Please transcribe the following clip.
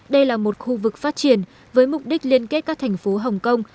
đây là một khu vực phát triển với mục đích liên kết các thành phố hồng kông